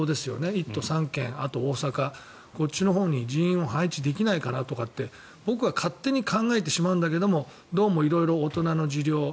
１都３県、あと大阪こっちのほうに人員を配置できないかなって僕は勝手に考えてしまうんだけどどうも色々大人の事情